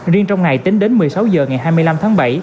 riêng trong ngày tính đến một mươi sáu h ngày hai mươi năm tháng bảy